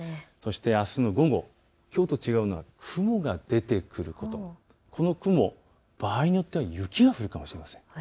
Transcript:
あすの午後、きょうと違うのは雲は出てくる、この雲、場合によっては雪が降るかもしれません。